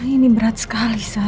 ini berat sekali sa